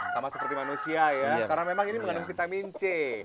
sama seperti manusia ya karena memang ini mengandung vitamin c